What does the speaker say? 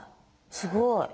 すごい！